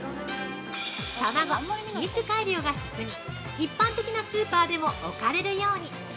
その後、品種改良が進み、一般的なスーパーでも置かれるように！